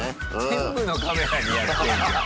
全部のカメラにやってんじゃん。